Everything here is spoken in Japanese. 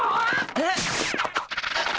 えっ！